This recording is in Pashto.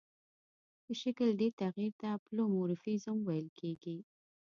د شکل دې تغیر ته پلئومورفیزم ویل کیږي.